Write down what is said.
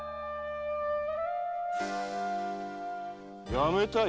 やめたい？